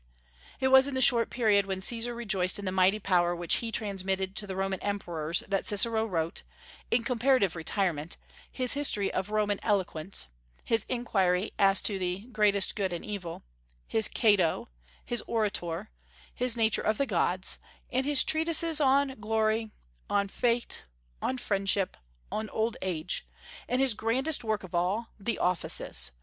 It was in the short period when Caesar rejoiced in the mighty power which he transmitted to the Roman Emperors that Cicero wrote, in comparative retirement, his history of "Roman Eloquence," his inquiry as to the "Greatest Good and Evil," his "Cato," his "Orator," his "Nature of the Gods," and his treatises on "Glory," on "Fate," on "Friendship," on "Old Age," and his grandest work of all, the "Offices."